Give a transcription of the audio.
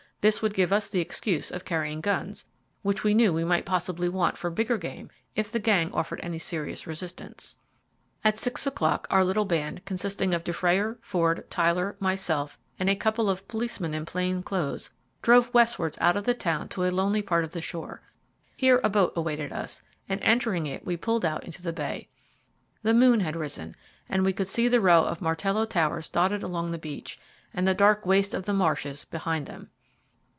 This would give us the excuse of carrying guns, which we knew we might possibly want for bigger game if the gang offered any serious resistance. At six o'clock our little band, consisting of Dufrayer, Ford, Tyler, myself, and a couple of policemen in plain clothes, drove westwards out of the town to a lonely part of the shore. Here a boat awaited us, and, entering it, we pulled out into the bay. The moon had risen, and we could see the row of Martello towers dotted along the beach, and the dark waste of the marshes behind them.